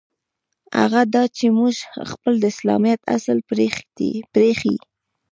هغه دا چې موږ خپل د اسلامیت اصل پرېیښی.